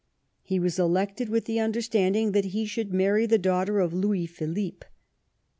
He was elected with the understandiug that he should marry the daughter of Louis Philippe.